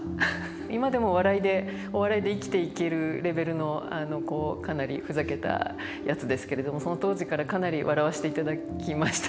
今でも笑いでお笑いで生きていけるレベルのかなりふざけたやつですけれどもその当時からかなり笑わせていただきました。